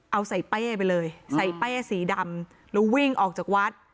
เอาใส่เป้ไปเลยใส่เป้สีดำแล้ววิ่งออกจากวัด